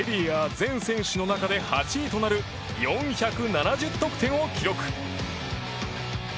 全選手の中で８位となる４７０得点を記録。